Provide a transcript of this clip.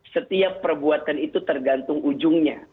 setiap perbuatan itu tergantung ujungnya